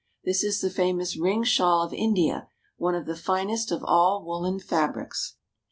This is the famous ring shawl of India, one of the finest of all woolen fabrics.